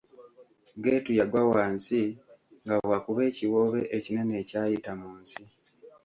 Geetu yagwa wansi nga bw'akuba ekiwoobe ekinene ekyayita mu nsi.